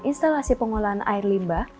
instalasi pengolahan air limbah